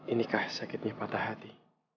inikah sakitnya patah hati